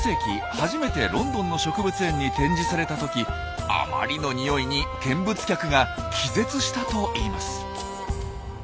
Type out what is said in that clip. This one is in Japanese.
初めてロンドンの植物園に展示された時あまりの匂いに見物客が気絶したといいます。